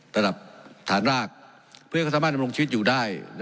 ระดับฐานรากเพื่อให้เขาสามารถดำรงชีวิตอยู่ได้